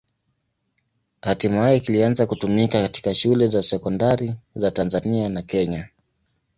Hatimaye kilianza kutumika katika shule za sekondari za Tanzania na Kenya.